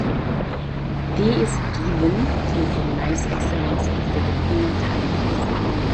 The is given to recognize excellence in Filipino talents.